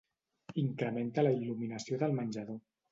Incrementa la il·luminació del menjador.